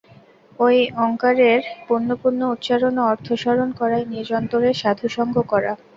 এই ওঙ্কারের পুনঃপুন উচ্চারণ ও অর্থ স্মরণ করাই নিজ অন্তরে সাধুসঙ্গ করা।